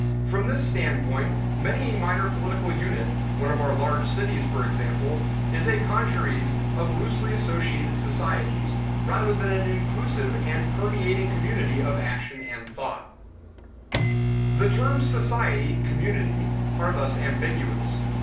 From this standpoint, many a minor political unit, one of our large cities, for example, is a congeries of loosely associated societies, rather than an inclusive and permeating community of action and thought. (See ante, p. 20.) The terms society, community, are thus ambiguous.